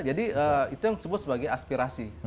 jadi itu yang disebut sebagai aspirasi